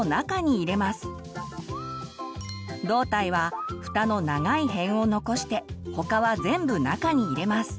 胴体はフタの長い辺を残して他は全部中に入れます。